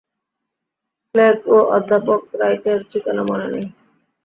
Flag ও অধ্যাপক রাইটের ঠিকানা মনে নাই।